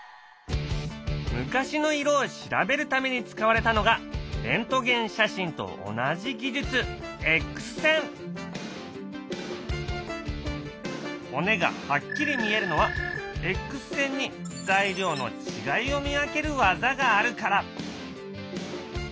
昔の色を調べるために使われたのがレントゲン写真と同じ技術骨がはっきり見えるのはエックス線に材料の違いを見分ける技があるから。